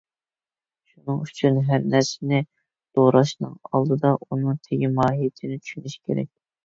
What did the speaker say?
شۇنىڭ ئۈچۈن ھەر نەرسىنى دوراشنىڭ ئالدىدا ئۇنىڭ تېگى ماھىيىتىنى چۈشىنىش كېرەك.